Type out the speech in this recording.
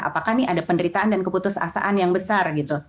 apakah ini ada penderitaan dan keputusasaan yang besar gitu